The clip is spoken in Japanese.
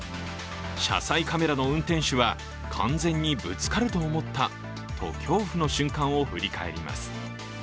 車載カメラの運転手は完全にぶつかると思ったと恐怖の瞬間を振り返ります。